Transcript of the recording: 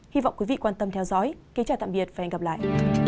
hy vọng quý vị quan tâm theo dõi kính chào tạm biệt và hẹn gặp lại